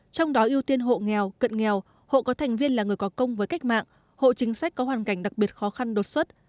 trong đó ưu tiên hộ nghèo cận nghèo hộ có thành viên là người có công với cách mạng hộ chính sách có hoàn cảnh đặc biệt khó khăn đột xuất